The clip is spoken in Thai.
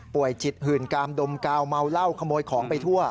จิตหื่นกามดมกาวเมาเหล้าขโมยของไปทั่ว